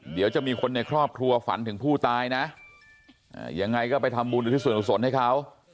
เดี๋ยวจะมีคนในครอบครัวฝันถึงผู้ตายนะยังไงก็ไปทำบุญอุทิศส่วนกุศลให้เขา